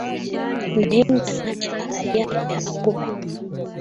Naye nga nnakyala ye akyakuba